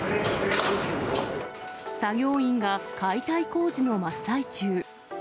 作業員が解体工事の真っ最中。